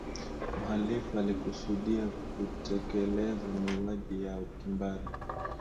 mhalifu alikusudia kutekeleza mauaji ya kimbari